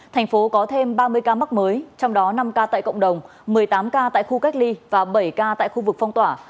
thành phố có thêm ba mươi ca mắc mới trong đó năm ca tại cộng đồng một mươi tám ca tại khu cách ly và bảy ca tại khu vực phong tỏa